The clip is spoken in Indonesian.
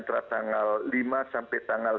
di antara tanggal lima sampai tanggal sembilan